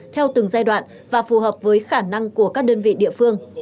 theo từng giai đoạn và phù hợp với khả năng của các đơn vị địa phương